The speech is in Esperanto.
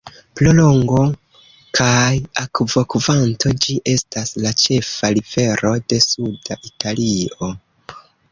Pro longo kaj akvokvanto, ĝi estas la ĉefa rivero de suda Italio.